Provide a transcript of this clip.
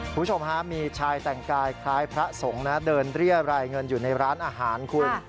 คุณผู้ชมฮะมีชายแต่งกายคล้ายพระสงฆ์นะเดินเรียรายเงินอยู่ในร้านอาหารคุณ